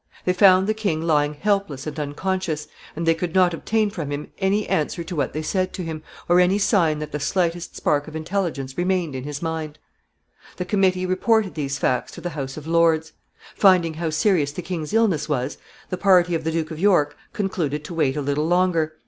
They found the king lying helpless and unconscious, and they could not obtain from him any answer to what they said to him, or any sign that the slightest spark of intelligence remained in his mind. [Sidenote: The duke's policy.] [Sidenote: The duke made regent.] The committee reported these facts to the House of Lords. Finding how serious the king's illness was, the party of the Duke of York concluded to wait a little longer.